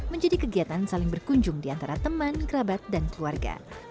menjadi kegiatan saling berkunjung di antara teman kerabat dan keluarga